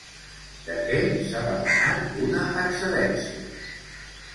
De què s'ha demanat una excedència?